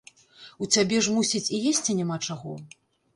У цябе ж, мусіць, і есці няма чаго?